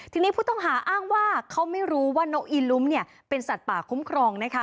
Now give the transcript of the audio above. ทีนี้ผู้ต้องหาอ้างว่าเขาไม่รู้ว่านกอีลุ้มเนี่ยเป็นสัตว์ป่าคุ้มครองนะคะ